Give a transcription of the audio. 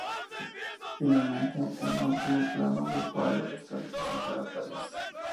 Finalmente, en último plano del cuadro está representada París.